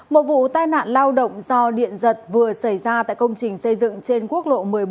một vụ tai nạn lao động do điện giật vừa xảy ra tại công trình xây dựng trên quốc lộ một mươi bốn